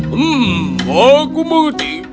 hmm aku mengerti